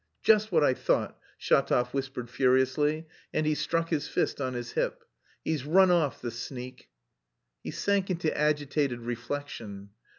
"Just what I thought!" Shatov whispered furiously, and he struck his fist on his hip. "He's run off, the sneak!" He sank into agitated reflection.